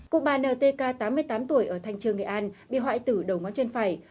cụ bà ntk tám mươi tám tuổi ở thanh trương nghệ an bị hoại tử đầu ngón chân phải